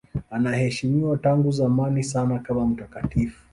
Anaheshimiwa tangu zamani sana kama mtakatifu.